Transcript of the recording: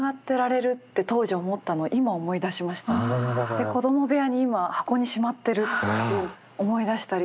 で子ども部屋に今箱にしまってるって思い出したりとか。